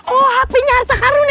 oh handphonenya harta karun ya